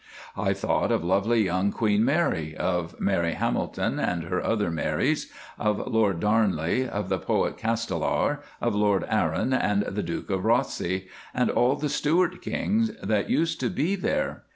I thought of lovely young Queen Mary, of Mary Hamilton, and her other Maries, of Lord Darnley, of the poet Castelar, of Lord Arran, and the Duke of Rothesay, and all the Stuart Kings that used to be there.